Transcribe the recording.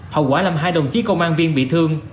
hậu quả làm hai đồng chí công an viên bị thương